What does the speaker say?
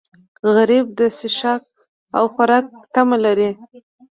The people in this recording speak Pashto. غریب د څښاک او خوراک تمه لري